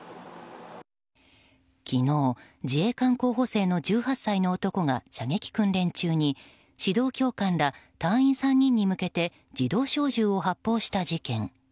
昨日、自衛官候補生の１８歳の男が射撃訓練中に指導教官ら隊員３人に向けて自動小銃を発砲した事件。